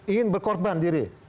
ingin berkorban diri